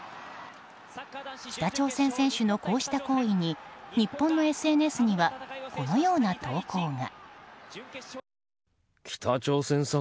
北朝鮮選手のこうした行為に日本のＳＮＳにはこのような投稿が。